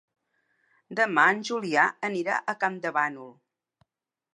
Demà en Julià anirà a Campdevànol.